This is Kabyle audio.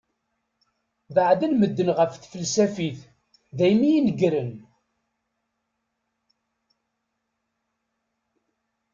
Beɛden medden ɣef tfelsafit daymi i nnegran.